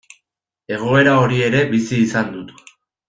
Egoera hori ere bizi izan dut.